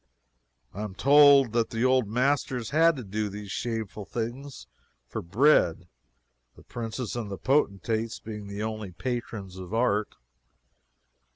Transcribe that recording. I am told that the old masters had to do these shameful things for bread, the princes and potentates being the only patrons of art.